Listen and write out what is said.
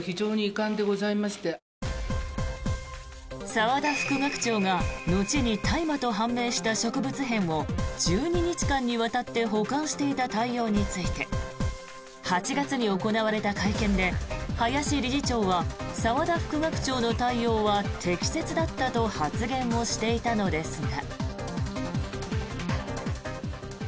澤田副学長が後に大麻と判明した植物片を１２日間にわたって保管していた対応について８月に行われた会見で林理事長は澤田副学長の対応は適切だったと発言をしていたのですが。